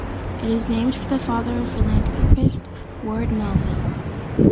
It is named for the father of philanthropist Ward Melville.